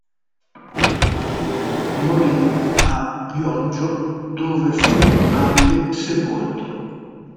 Morì a Bioggio dove fu anche sepolto.